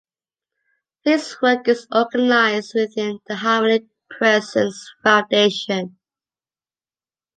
His work is organised within The Harmonic Presence Foundation.